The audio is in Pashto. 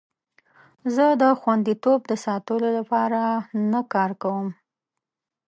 زه د خوندیتوب د ساتلو لپاره نه کار کوم.